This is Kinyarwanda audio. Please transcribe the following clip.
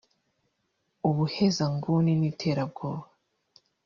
ubuhezanguni n’iterabwoba”